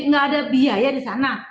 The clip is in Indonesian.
nggak ada biaya di sana